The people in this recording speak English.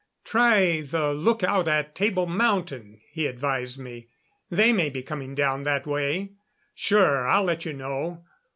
"Try the lookout at Table Mountain," he advised me. "They may be coming down that way.... Sure I'll let you know....